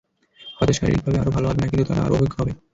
হয়তো শারীরিকভাবে আরও ভালো হবে না, কিন্তু তারা আরও অভিজ্ঞ হবে।